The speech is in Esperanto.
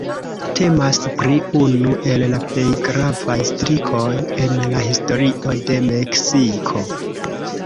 Temas pri unu el la plej gravaj strikoj en la historio de Meksiko.